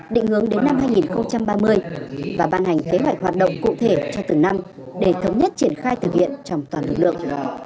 định hướng đến năm hai nghìn ba mươi và ban hành kế hoạch hoạt động cụ thể cho từng năm để thống nhất triển khai thực hiện trong toàn lực lượng